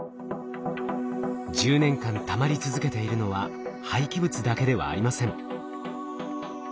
１０年間たまり続けているのは廃棄物だけではありません。